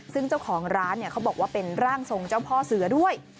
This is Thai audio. ซึ่งเจ้าของร้านเขาบอกว่าเป็นร่างทรงเจ้าพ่อเสือด้วย